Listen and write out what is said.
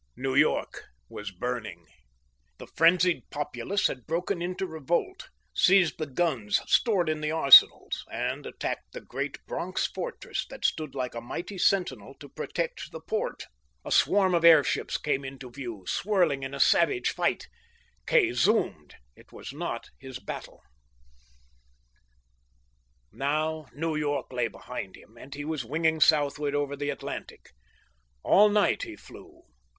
New York was burning. The frenzied populace had broken into revolt, seized the guns stored in the arsenals, and attacked the great Bronx fortress that stood like a mighty sentinel to protect the port. A swarm of airships came into view, swirling in savage fight. Kay zoomed. It was not his battle. Now New York lay behind him, and he was winging southward over the Atlantic. All night he flew.